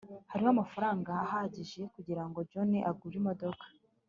hariho amafaranga ahagije kugirango john agure imodoka